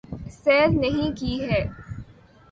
سیر نہیں کی ہے